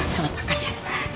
sama makan ya